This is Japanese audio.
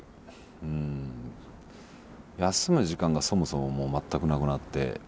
休む時間がそもそももう全くなくなって。